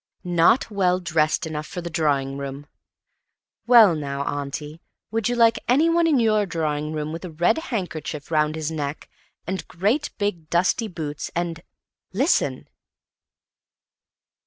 "Not well dressed enough for the drawing room." Well, now, Auntie, would you like anyone in your drawing room with a red handkerchief round his neck and great big dusty boots, and—listen!